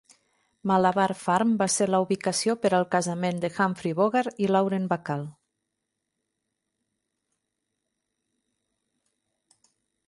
Malabar Farm va ser la ubicació per al casament de Humphrey Bogart i Lauren Bacall.